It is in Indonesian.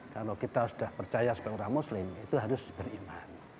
kalau kita sudah percaya sebagai orang muslim itu harus beriman